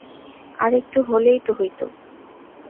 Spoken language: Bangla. আর একটু হলেই তো হইত।